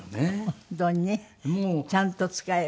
本当にねちゃんと使えば。